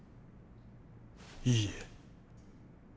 いいえ。